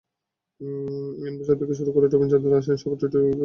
ইয়ান Bishop থেকে শুরু করে রবিচন্দ্রন অশ্বিন সবার টুইটেই ঝরেছে বাংলাদেশের বন্দনা।